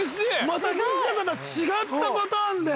また西田さんとは違ったパターンで。